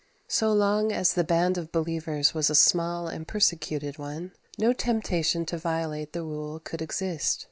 So long as the band of believers was a small and persecuted one, no temptation to violate the rule could exist.